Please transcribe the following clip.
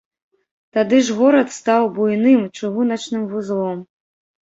Тады ж горад стаў буйным чыгуначным вузлом.